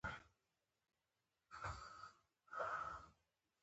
سهار د هڅونې ډالۍ ده.